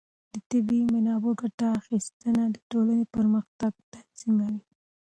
د طبیعي منابعو ګټه اخیستنه د ټولنې پرمختګ تضمینوي.